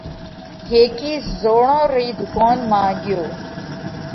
هيڪِي زوڙون رِي ڌُوڪونَ مانه ڳيو